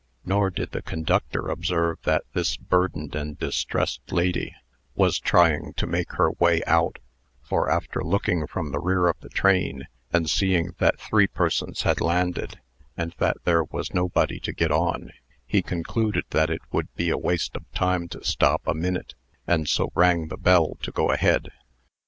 Nor did the conductor observe that this burdened and distressed lady was trying to make her way out; for, after looking from the rear of the train, and seeing that three persons had landed, and that there was nobody to get on, he concluded that it would be a waste of time to stop a minute, and so rang the bell to go ahead.